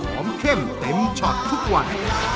เข้มเต็มช็อตทุกวัน